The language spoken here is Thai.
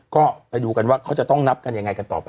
ก็ไปดูกันว่าเขาจะต้องนับกันยังไงกันต่อไป